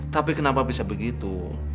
tapi kenapa bisa begitu